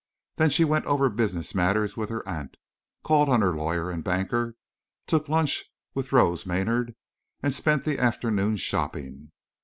Then she went over business matters with her aunt, called on her lawyer and banker, took lunch with Rose Maynard, and spent the afternoon shopping.